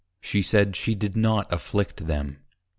_ She said, she did not Afflict them.